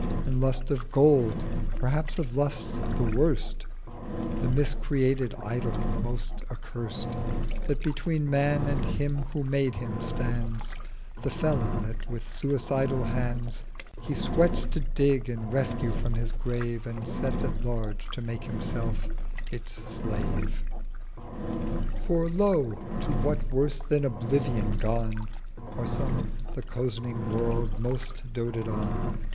And Lust of Gold—perhaps of Lusts the worst; The mis created Idol most accurst That between Man and Him who made him stands: The Felon that with suicidal hands He sweats to dig and rescue from his Grave, And sets at large to make Himself its Slave. 'For lo, to what worse than oblivion gone Are some the cozening World most doted on.